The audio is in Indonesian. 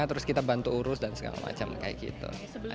terus kita bantu urus dan segala macam kayak gitu